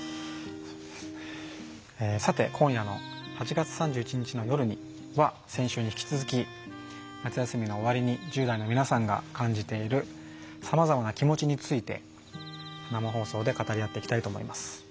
さて今夜の「＃８月３１日の夜に。」は先週に引き続き夏休みの終わりに１０代の皆さんが感じているさまざまな気持ちについて生放送で語り合っていきたいと思います。